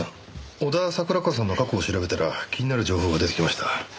小田桜子さんの過去を調べたら気になる情報が出てきました。